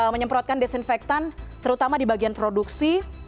menyemprotkan desinfektan terutama di bagian produksi